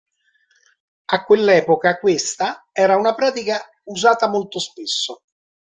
A quell'epoca questa era una pratica usata molto spesso.